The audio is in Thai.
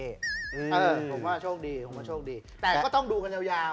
เออผมว่าโชคดีแต่ก็ต้องดูกันยาว